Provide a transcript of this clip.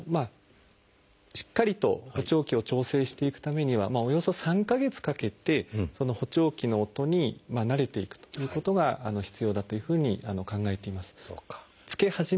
しっかりと補聴器を調整していくためにはおよそ３か月かけて補聴器の音に慣れていくということが必要だというふうに考えています。